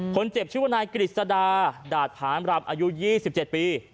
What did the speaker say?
คนเจ็บชื่อว่านายกฤษดาดาดผ่านรำอายุ๒๗ปี